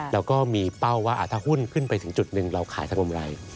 แล้วก็มีเป้าว่าถ้าหุ้นขึ้นไปถึงจุดหนึ่งเราขายทั้งกำไร